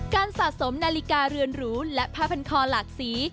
สะสมนาฬิกาเรือนหรูและผ้าพันคอหลากสี